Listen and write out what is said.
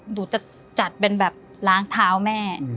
หนูจะจัดเป็นแบบล้างเท้าแม่